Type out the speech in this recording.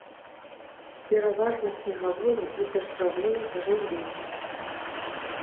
Пераважна снегавое і дажджавое жыўленне.